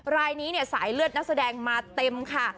รายนี้เนี่ยสายเลือดนักแสดงมาเต็มค่ะ